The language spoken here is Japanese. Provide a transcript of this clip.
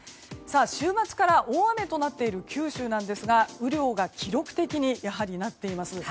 週末から大雨となっている九州なんですが雨量が記録的になっています。